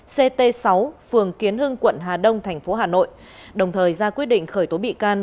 ct sáu phường kiến hưng quận hà đông thành phố hà nội đồng thời ra quyết định khởi tố bị can